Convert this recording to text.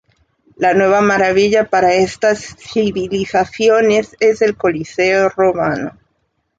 La nueva maravilla para estas civilizaciones es el coliseo romano.